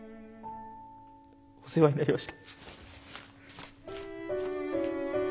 お世話になりました。